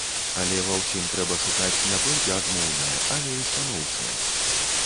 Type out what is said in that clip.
Але ва ўсім трэба шукаць не толькі адмоўнае, але і станоўчае.